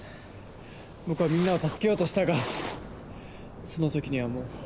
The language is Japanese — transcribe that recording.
僕はみんなを助けようとしたがその時にはもう。